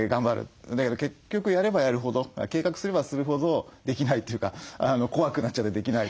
だけど結局やればやるほど計画すればするほどできないというか怖くなっちゃってできないとか。